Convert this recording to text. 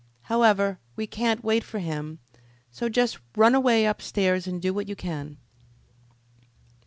However, we can't wait for him, so just run away upstairs and do what you can."